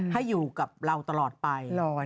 ให้อยู่กับเราตลอดไป